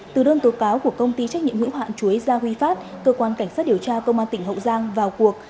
từ đơn tố cáo của công ty trách nhiệm hữu hạn chuối gia huy phát cơ quan cảnh sát điều tra công an tỉnh hậu giang vào cuộc